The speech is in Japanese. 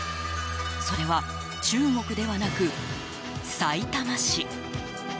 それは中国ではなくさいたま市。